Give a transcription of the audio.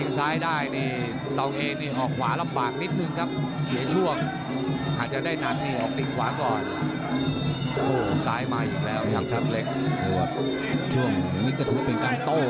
แต่ว่าช่วงนี้จะทำให้เป็นการโต